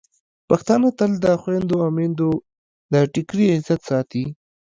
پښتانه تل د خویندو او میندو د ټکري عزت ساتي.